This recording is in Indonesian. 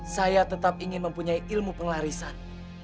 saya tetap ingin mempunyai ilmu pengelarisan